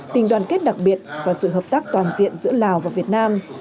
tình đoàn kết đặc biệt và sự hợp tác toàn diện giữa lào và việt nam